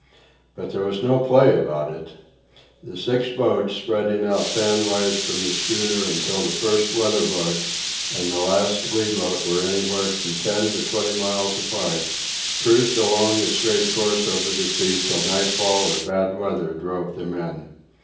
But there was no play about it. The six boats, spreading out fan wise from the schooner until the first weather boat and the last lee boat were anywhere from ten to twenty miles apart, cruised along a straight course over the sea till nightfall or bad weather drove them in.